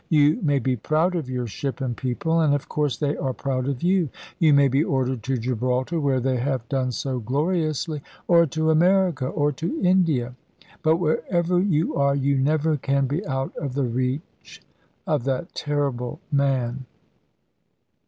You may be proud of your ship and people, and of course they are proud of you. You may be ordered to Gibraltar, where they have done so gloriously, or to America, or to India. But wherever you are, you never can be out of the reach of that terrible man.